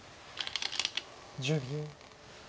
１０秒。